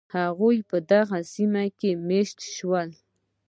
هغوی په دغو سیمو کې مېشت شول.